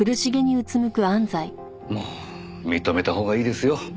もう認めたほうがいいですよ。